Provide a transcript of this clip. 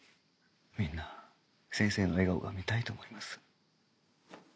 みんな先生の笑顔が見たいと思います。